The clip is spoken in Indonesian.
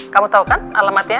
kamu tau kan alamatnya